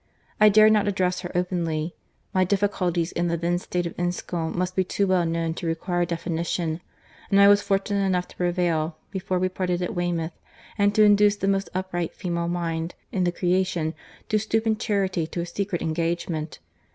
I dared not address her openly; my difficulties in the then state of Enscombe must be too well known to require definition; and I was fortunate enough to prevail, before we parted at Weymouth, and to induce the most upright female mind in the creation to stoop in charity to a secret engagement.